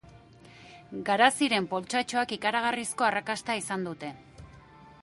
Garaziren poltsatxoak ikaragarrizko arrakasta izan dute.